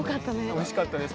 おいしかったです